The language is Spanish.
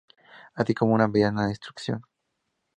Así como una mediana instrucción.